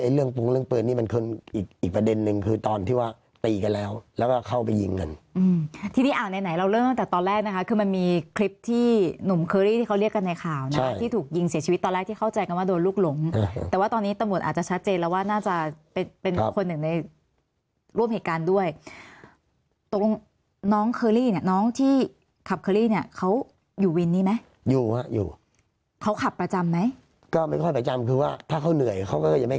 เรื่องปรุงเรื่องเปิดนี่มันคืออีกประเด็นหนึ่งคือตอนที่ว่าตีกันแล้วแล้วก็เข้าไปยิงกันอืมที่ที่อ่านไหนเราเริ่มตั้งแต่ตอนแรกนะคะคือมันมีคลิปที่หนุ่มเคอรี่ที่เขาเรียกกันในข่าวที่ถูกยิงเสียชีวิตตอนแรกที่เข้าใจกันว่าโดนลูกหลงแต่ว่าตอนนี้ตะหมวดอาจจะชัดเจนแล้วว่าน่าจะเป็นเป็นคนหนึ่งใ